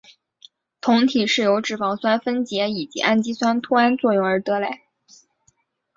酮体是由脂肪酸分解以及氨基酸脱氨作用而得来。